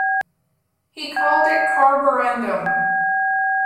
He called it carborundum.